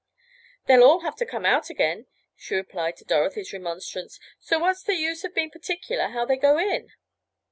"They'll all have to come out again," she replied to Dorothy's remonstrance, "so what's the use of being particular how they go in?"